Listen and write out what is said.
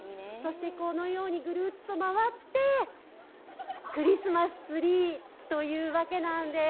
このようにぐるっと回って、クリスマスツリーというわけなんです。